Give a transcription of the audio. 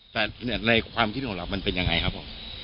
แต่ในความคิดของเรามันเป็นยังไงครับผม